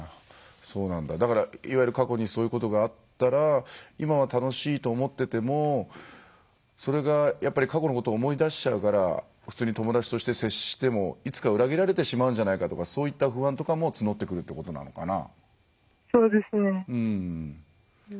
だから、いわゆる過去にそういうことがあったら今は楽しいと思っててもそれが過去のことを思い出しちゃうから普通に友達として接してもいつか裏切られてしまうんじゃないかとかってそういった不安とかも募ってくるってことなのかな。